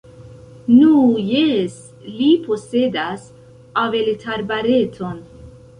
Nu, jes, li posedas aveletarbareton.